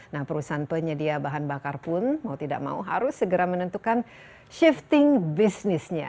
nah perusahaan penyedia bahan bakar pun mau tidak mau harus segera menentukan shifting bisnisnya